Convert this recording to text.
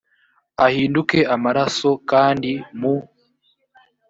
ahinduke amaraso kandi mu